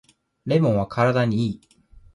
レモンは体にいい